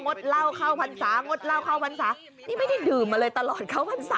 ดเหล้าเข้าพรรษางดเหล้าเข้าพรรษานี่ไม่ได้ดื่มมาเลยตลอดเข้าพรรษา